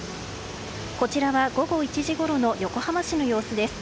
こちらは午後１時ごろの横浜市の様子です。